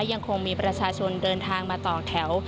ยังคงมีประชาชนเดินทางมาต่อแถว